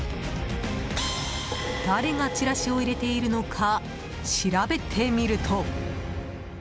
誰がチラシを入れているのか調べてみると。